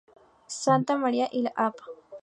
Santa María y la Av.